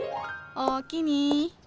おおきに。